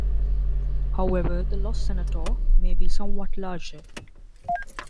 However, the lost centaur may be somewhat larger.